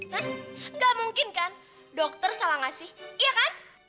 kan gak mungkin kan dokter salah ngasih iya kan